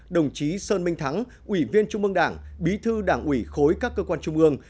đồng chí sơn minh thắng ủy viên trung mương đảng bí thư đảng ủy khối các cơ quan trung ương